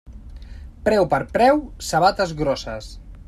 Preu per preu, sabates grosses.